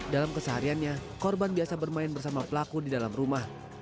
dalam kesehariannya korban biasa bermain bersama pelaku di dalam rumah